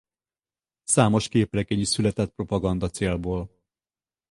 Számos képregény is született propaganda célból.